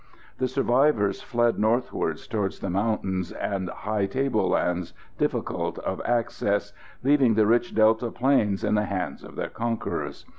The survivors fled northwards towards the mountains and high tablelands difficult of access, leaving the rich Delta plains in the hands of their conquerors.